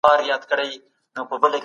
هغه ځوان د لومړۍ ښځې په لیدو وارخطا کیږي.